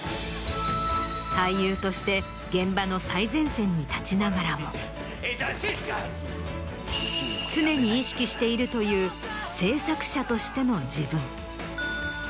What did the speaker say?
俳優として現場の最前線に立ちながらも常に意識しているという制作者としての自分。